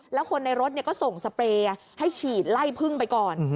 แล้วคนในรถก็ส่งสเปรย์ให้ฉีดไล่พึ่งไปก่อน